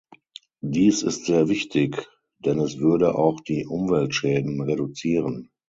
Dies ist sehr wichtig, denn es würde auch die Umweltschäden reduzieren.